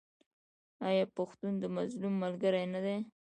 آیا پښتون د مظلوم ملګری نه دی؟